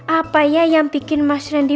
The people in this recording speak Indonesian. apa ya yang bikin mas randy